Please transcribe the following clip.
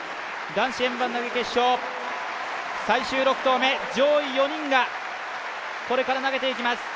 男子円盤投決勝最終６投目、上位４人がこれから投げていきます。